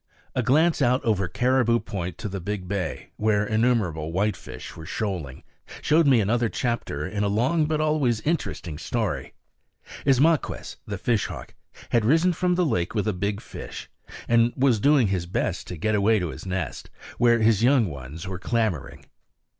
A glance out over Caribou Point to the big bay, where innumerable whitefish were shoaling, showed me another chapter in a long but always interesting story. Ismaquehs, the fish hawk, had risen from the lake with a big fish, and was doing his best to get away to his nest, where his young ones were clamoring.